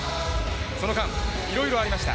その間、いろいろありました。